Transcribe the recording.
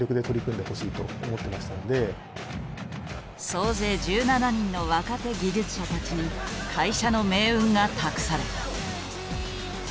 総勢１７人の若手技術者たちに会社の命運が託された。